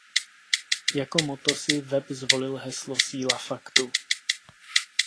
Jako motto si web zvolil heslo "Síla faktu".